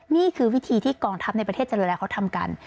นี่คือวิธีที่กองทัพในประเทศเจริญาเขาทำกัน